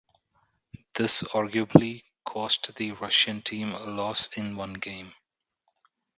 This arguably cost the Russian team a loss in one game.